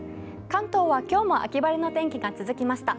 関東は今日も秋晴れの天気が続きました。